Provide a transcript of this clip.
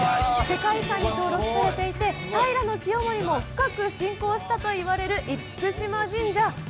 世界遺産に登録されていて、平清盛も深く信仰したといわれる厳島神社。